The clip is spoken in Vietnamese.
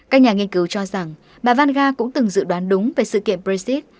các nhà nghiên cứu cho rằng bà vana cũng từng dự đoán đúng về sự kiện brexit